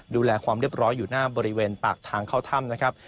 ดูแลความเรียบร้อยอยู่หน้าบริเวณปากทางเข้าถ้ำนะครับ